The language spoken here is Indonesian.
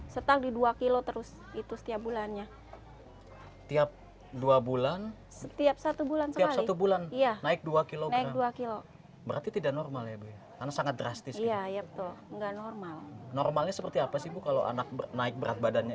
sangat drastis ya ya betul enggak normal normalnya seperti apa sih bu kalau anak naik berat badannya